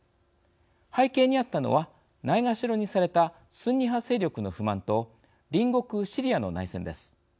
背景にあったのはないがしろにされたスンニ派勢力の不満と隣国シリアの内戦です。